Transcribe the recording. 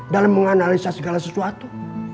dalam menganalisa segala sesuatu